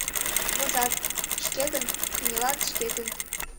Возат — шкетын, кынелат — шкетын.